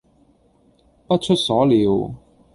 不出所料